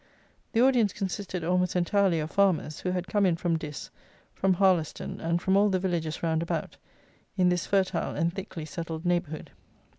The audience consisted almost entirely of farmers, who had come in from Diss, from Harleston, and from all the villages round about, in this fertile and thickly settled neighbourhood.